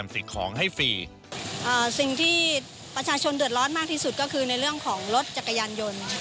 สิ่งที่ประชาชนเดือดร้อนมากที่สุดก็คือในเรื่องของรถจักรยานยนต์